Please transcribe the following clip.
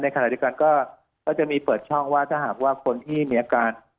ขณะเดียวกันก็จะมีเปิดช่องว่าถ้าหากว่าคนที่มีอาการ